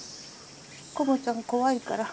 コモちゃん怖いから。